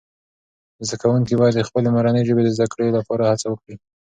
زده کوونکي باید د خپلې مورنۍ ژبې د زده کړې لپاره هڅه وکړي.